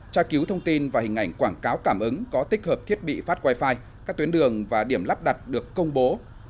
tra cứu thông tin và hình ảnh quảng cáo cảm ứng có tích hợp thiết bị phát wifi các tuyến đường và điểm lắp đặt được công bố